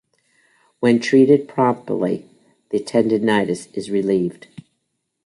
When treated promptly, the tendinitis is relieved.